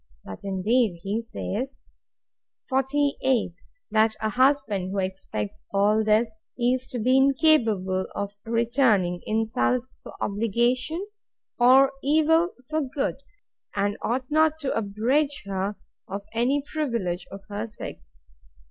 But, indeed, he says, 48. That a husband, who expects all this, is to be incapable of returning insult for obligation, or evil for good; and ought not to abridge her of any privilege of her sex.